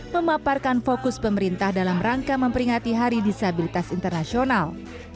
memaparkan fokus pemerintah dalam rangka memperingati hari disabilitas internasional